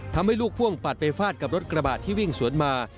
ทำให้ลูกพ่วงปัดไปฟาดกับรถกระบะที่วิ่งสวนมา